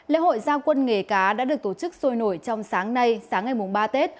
lễ hội giao quân nghề cá đã được tổ chức sôi nổi trong sáng nay sáng ngày ba tết